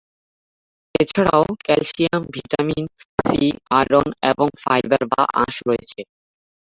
এছাড়াও calcium, vitamin C, iron এবং fibre বা আঁশ রয়েছে।